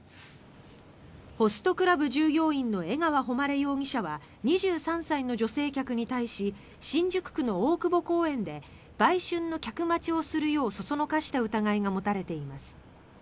ホストクラブ従業員の江川誉容疑者は２３歳の女性客に対し新宿区の大久保公園で売春の客待ちをするようそそのかした疑いが持たれています。